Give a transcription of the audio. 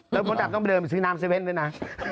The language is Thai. แล้วก็ต้องไปเดินไปซื้อน้ำเซเว่นด้วยนะ